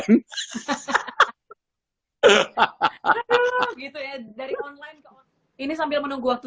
ini sambil menunggu waktu